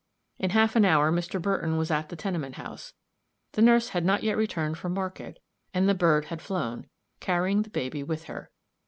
In half an hour Mr. Burton was at the tenement house; the nurse had not yet returned from market, and the bird had flown, carrying the baby with her.